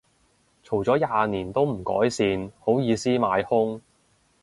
嘈咗廿年都唔改善，好意思買兇